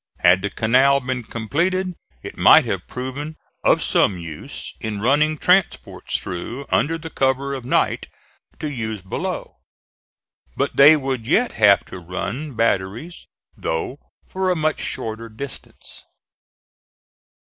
Had the canal been completed it might have proven of some use in running transports through, under the cover of night, to use below; but they would yet have to run batteries, though for a much shorter distance.